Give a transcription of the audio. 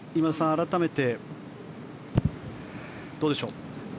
改めてどうでしょう。